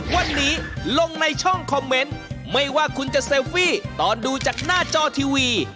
วันนี้ลงในช่องคอมเมนต์ไม่ว่าคุณจะเซลฟี่ตอนดูจากหน้าจอทีวี